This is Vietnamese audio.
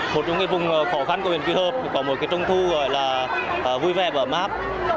một trong những vùng khó khăn của huyện quỳ hợp có một trung thu vui vẻ và ấm áp